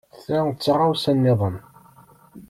Ta d taɣawsa niḍen.